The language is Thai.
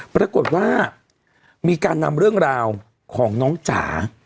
ปรากฏว่ามีการนำเรื่องราวของน้องจ๋า